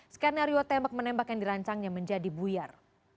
skenario tembak menembak yang dirancangnya menjadi buyar